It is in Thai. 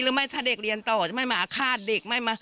หรือถ้าเด็กเรียนต่อจะไม่มาอาฆาตเด็ก